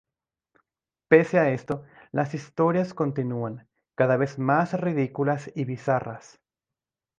Pese a esto, las historias continúan, cada vez más ridículas y bizarras.